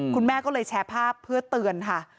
คุณแม่ก็เลยแชร์ภาพเพื่อเตือนค่ะ